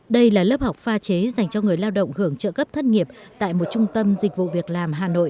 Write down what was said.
đây là lớp học pha chế dành cho người lao động hưởng trợ cấp thất nghiệp tại một trung tâm dịch vụ việc làm hà nội